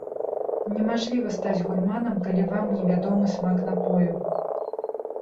Немажліва стаць гурманам, калі вам невядомы смак напою.